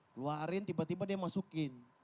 keluarin tiba tiba dia masukin